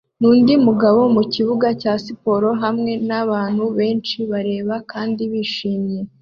nundi mugabo mukibuga cya siporo hamwe nabantu benshi bareba kandi bishimye